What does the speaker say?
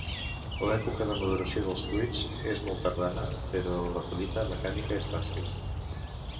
L'època de maduració dels fruits és molt tardana però la collita mecànica és fàcil.